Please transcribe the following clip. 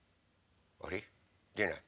あれ？でない。